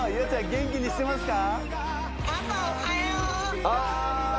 元気にしてますか？